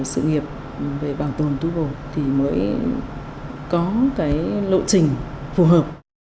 sự nghiệp về bảo tồn túi bột thì mới có cái lộ trình phù hợp